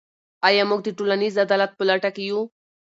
آیا موږ د ټولنیز عدالت په لټه کې یو؟